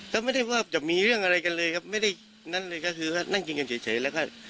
ก็ไม่ได้ว่าจะมีเรื่องอะไรกันเลยครับนั่งกินกันเฉยแล้วก็